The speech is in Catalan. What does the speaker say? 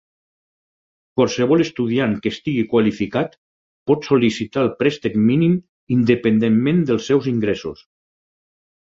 Qualsevol estudiant que estigui qualificat, pot sol·licitar el préstec mínim independentment dels seus ingressos.